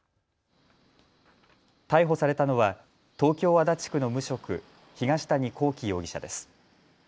逮捕されたのは東京足立区の無職、東谷昂紀容疑者です。